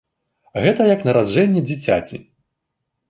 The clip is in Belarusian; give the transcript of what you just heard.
Гэта як нараджэнне дзіцяці!